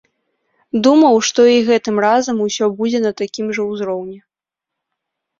Думаў, што і гэтым разам усё будзе на такім жа ўзроўні.